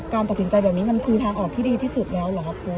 ตัดสินใจแบบนี้มันคือทางออกที่ดีที่สุดแล้วเหรอครับ